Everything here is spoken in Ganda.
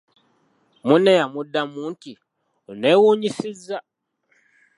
Munne yamuddamu nti, “Onneewunyisizza!